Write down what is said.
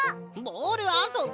ボールあそび！